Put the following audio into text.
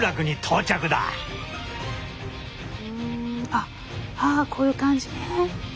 あっあこういう感じね。